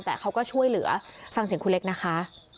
แต่เขาก็ช่วยเหลือฟังเสียงคุณเล็กนะคะ